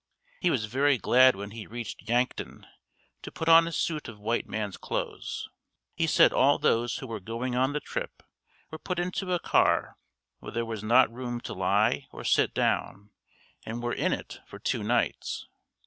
He was very glad when he reached Yankton, to put on a suit of white man's clothes. He said all those who were going on the trip were put into a car where there was not room to lie or sit down and were in it for two nights.